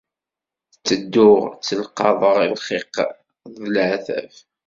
Ttedduɣ ttelqaḍeɣ lxiq d leɛtav.